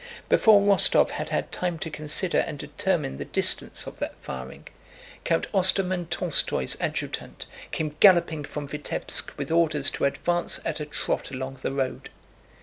Before Rostóv had had time to consider and determine the distance of that firing, Count Ostermann Tolstóy's adjutant came galloping from Vítebsk with orders to advance at a trot along the road.